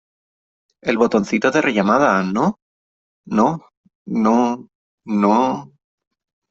el botoncito de rellamada ,¿ no ? no , no , no ...